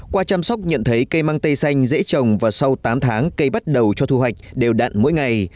qua chăm sóc nhận thấy cây mang tây xanh dễ trồng và sau tám tháng cây bắt đầu cho thu hoạch đều đặn mỗi ngày